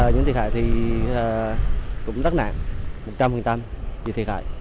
những thiệt hại thì cũng rất nặng một trăm linh bị thiệt hại